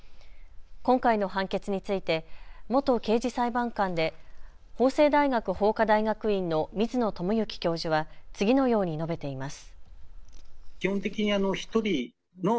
今回の判決について元刑事裁判官で法政大学法科大学院の水野智幸教授は次のように述べています。